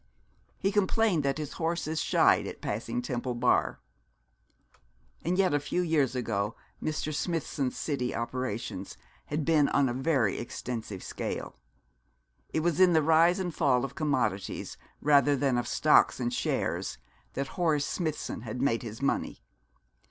He complained that his horses shied at passing Temple Bar. And yet a few years ago Mr. Smithson's city operations had been on a very extensive scale: It was in the rise and fall of commodities rather than of stocks and shares that Horace Smithson had made his money.